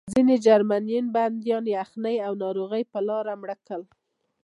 ځینې جرمني بندیان یخنۍ او ناروغۍ په لاره مړه کړل